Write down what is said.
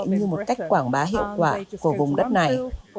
như một cách quảng bá hiệu quả của vùng đất này